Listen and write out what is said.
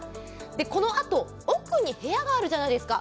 このあと、奥に部屋があるじゃないですか。